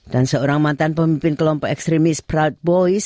dan seorang mantan pemimpin kelompok ekstremis proud boys